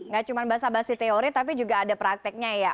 gak cuma bahasa bahasa teori tapi juga ada prakteknya ya